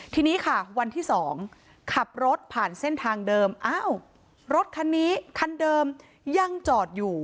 ทีนี้ค่ะวันที่๒ขับรถผ่านเส้นทางเดิมอ้าวรถคันนี้คันเดิมยังจอดอยู่